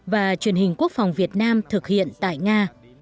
và truyền hình quốc phòng việt nam thực hiện tại nga